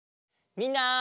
みんな。